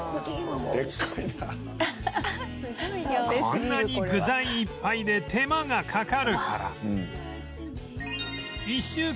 こんなに具材いっぱいで手間がかかるから